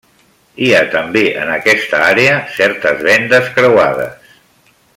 Hi ha també en aquesta àrea certes vendes creuades.